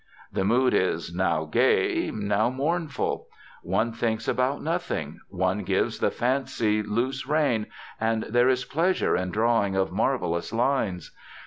The mood is now gay, now mournful. One thinks about nothing; one gives the fancy loose rein, and there is pleasure in drawings of marvellous lines.